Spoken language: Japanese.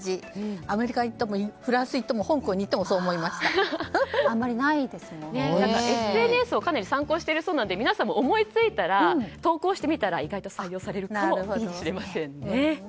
アメリカに行ってもフランスに行ってもＳＮＳをかなり参考にしているそうなので皆さんも、思いついたら投稿してみたら、意外と採用されるかもしれませんね。